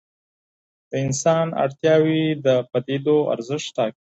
د انسان اړتیاوې د پدیدو ارزښت ټاکي.